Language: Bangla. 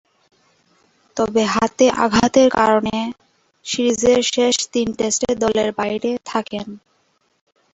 তবে, হাতে আঘাতের কারণে সিরিজের শেষ তিন টেস্টে দলের বাইরে থাকেন।